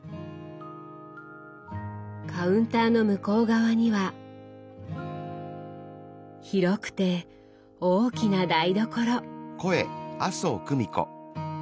カウンターの向こう側には広くて大きな台所。